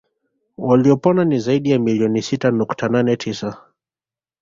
Waliopona ni zaidi ya milioni sita nukta nane tisa